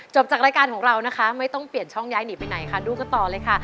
จากรายการของเรานะคะไม่ต้องเปลี่ยนช่องย้ายหนีไปไหนค่ะดูกันต่อเลยค่ะ